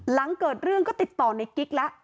หลังเกิดเรื่องก็ติดต่อในกิ๊กแล้ว